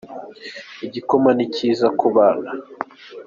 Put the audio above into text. Igikoma ni cyiza ku bana.